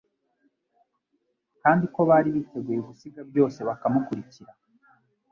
kandi ko bari biteguye gusiga byose, bakamukurikira.